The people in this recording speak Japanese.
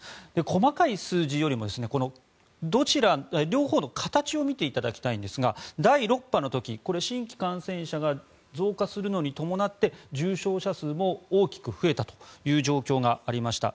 細かい数字よりも両方の形を見ていただきたいんですが第６波の時、これは新規感染者が増加するのに伴って重症者数も大きく増えたという状況がありました。